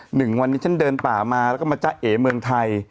หนึ่งวันนี้ฉันเดินป่ามาแล้วก็มาจ๊ะเอ๋เมืองไทย